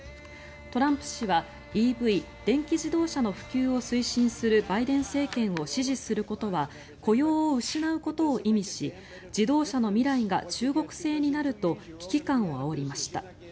トランプ氏はＥＶ・電気自動車の普及を推進するバイデン政権を支持することは雇用を失うことを意味し自動車の未来が中国製になると危機感をあおりました。